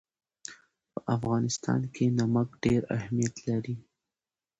په افغانستان کې نمک ډېر اهمیت لري.